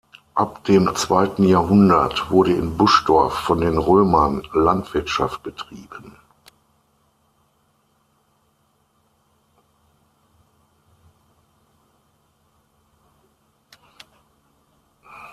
Ab dem zweiten Jahrhundert wurde in Buschdorf von den Römern Landwirtschaft betrieben.